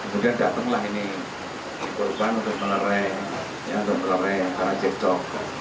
kemudian datanglah ini korban untuk melereng untuk melereng antara cecok